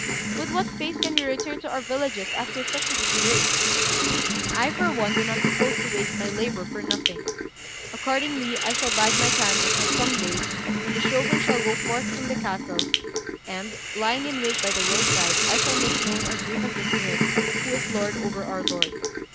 With what f ace can we return to our villages after such a disgrace? I, for one, do not propose to waste my labour for nothing; accordingly, I shall bide my time until some day, when the Shogun shall go forth from the castle, and, lying in wait by the roadside, I shall make known our grievances to him, who is lord over our lord.